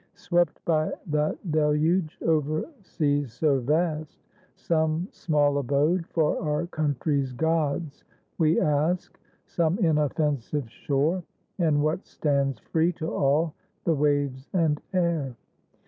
Swept by that deluge over seas so vast, Some small abode for our country's gods we ask, Some inoffensive shore, and what stands free To all, the waves and air.